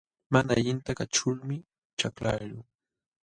Mana allinta kaćhulmi chaklaqluu.